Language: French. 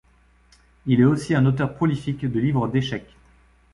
Il est aussi un auteur prolifique de livres d'échecs.